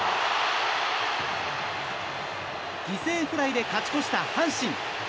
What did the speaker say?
犠牲フライで勝ち越した阪神。